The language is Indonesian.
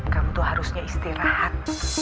kamu tuh harusnya istirahat